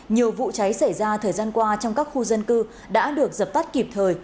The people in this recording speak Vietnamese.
nhiều vụ cháy xảy ra thời gian qua trong các khu dân cư đã được dập tắt kịp thời